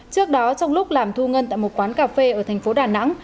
trước đó trong lúc làm thu ngân tại một quán cà phê ở thành phố đà nẵng